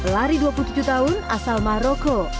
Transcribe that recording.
lari dua puluh tujuh tahun asal maroko